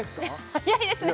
早いですね